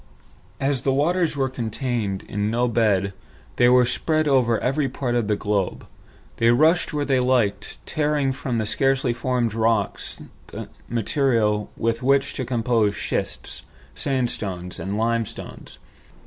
As the waters were contained in no bed, and were spread over every part of the globe, they rushed where they liked, tearing from the scarcely formed rocks material with which to compose schists, sandstones, and limestones.